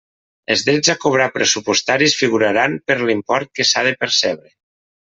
Els drets a cobrar pressupostaris figuraran per l'import que s'ha de percebre.